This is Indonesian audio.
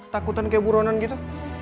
takutan kayak buronan gitu